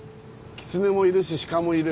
キツネもいるし鹿もいる？